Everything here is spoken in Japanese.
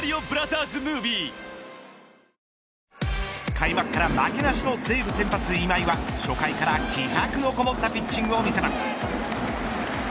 開幕から負けなしの西武先発、今井は初回から気迫のこもったピッチングを見せます。